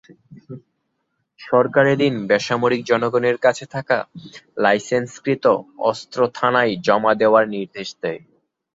সরকার এদিন বেসামরিক জনগণের কাছে থাকা লাইসেন্সকৃত অস্ত্র থানায় জমা দেয়ার নির্দেশ দেয়।